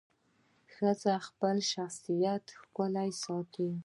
ښځه د خپل شخصیت ښکلا ساتي.